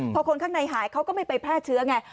พอคนข้างในหายเขาก็ไม่ไปแพร่เชื้อไง